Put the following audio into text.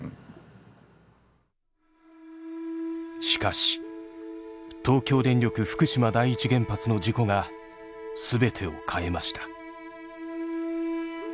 しかし東京電力福島第一原発の事故が全てを変えました。